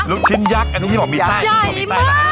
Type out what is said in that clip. ลูกชิ้นยักษ์หยายมากยักษ์